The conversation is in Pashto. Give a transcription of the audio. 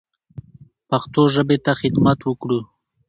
پښتو ژبې ته خدمت وکړو.